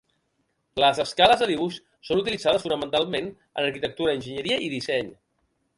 Les escales de dibuix són utilitzades fonamentalment en arquitectura, enginyeria i disseny.